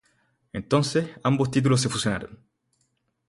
Entonces, ambos títulos se fusionaron.